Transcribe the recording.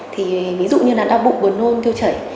thì ví dụ như là đau bụng buồn nôn tiêu chảy